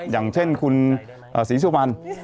อย่างเช่นคุณศรีสุวรรณ